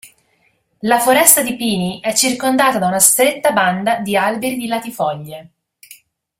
La foresta di pini è circondata da una stretta banda di alberi di latifoglie.